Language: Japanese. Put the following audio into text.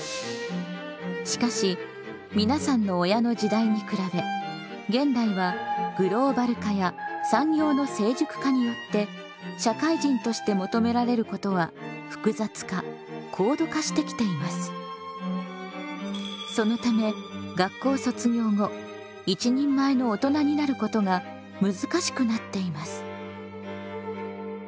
しかし皆さんの親の時代に比べ現代はグローバル化や産業の成熟化によって社会人として求められることは複雑化高度化してきています。そのため学校卒業後「一人前の大人」になることが難しくなっています。